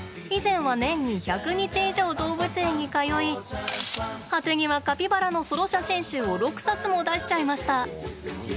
以前は年に１００日以上動物園に通い果てにはカピバラのソロ写真集を６冊も出しちゃいました。